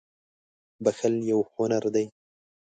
• بښل یو هنر دی.